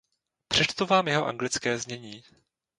Přečtu vám jeho anglické znění.